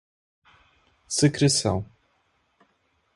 secreção